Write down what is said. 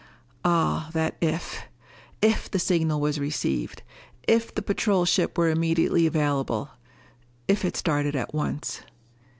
Ah, that "if!" If the signal was received! If the patrol ship were immediately available. If it started at once....